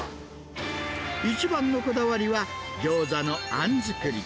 一番のこだわりは、ギョーザのあん作り。